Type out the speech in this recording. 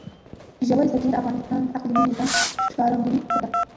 ژورې سرچینې د افغانستان د اقلیمي نظام ښکارندوی ده.